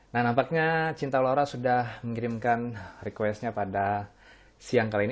nah nampaknya cinta laura sudah mengirimkan requestnya pada siang kali ini